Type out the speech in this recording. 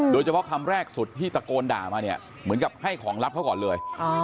โดยเฉพาะคำแรกสุดที่ตะโกนด่ามาเหมือนกับให้ของรับเขาก่อนเลย